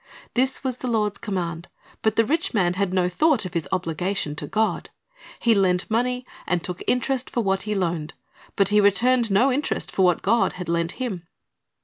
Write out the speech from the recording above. This was the Lord's command, but the rich man had no thought of his obligation to God. He lent money, and took interest for what he loaned ; but he returned no interest for what God had lent him.